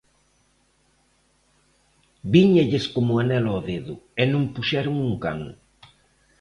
Víñalles como anel ao dedo, e non puxeron un can.